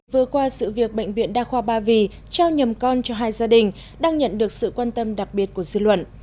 vừa qua sự việc bệnh viện đa khoa ba vì trao nhầm con cho hai gia đình đang nhận được sự quan tâm đặc biệt của dư luận